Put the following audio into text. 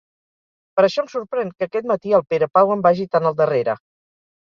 Per això em sorprèn que aquest matí el Perepau em vagi tan al darrere.